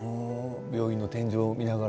病院の天井を見ながら。